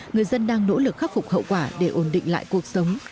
người dân đang nỗ lực khắc phục hậu quả để ổn định lại cuộc sống